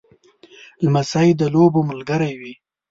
لمسی د لوبو ملګری وي.